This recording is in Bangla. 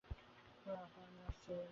শুনুন আপা, আমি আসছি এই মুহূর্তে।